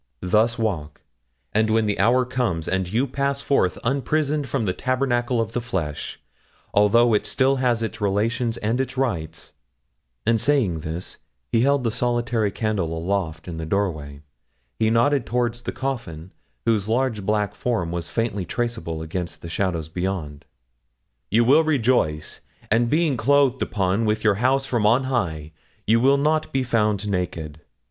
Thus walk; and when the hour comes, and you pass forth unprisoned from the tabernacle of the flesh, although it still has its relations and its rights' and saying this, as he held the solitary candle aloft in the doorway, he nodded towards the coffin, whose large black form was faintly traceable against the shadows beyond 'you will rejoice; and being clothed upon with your house from on high, you will not be found naked.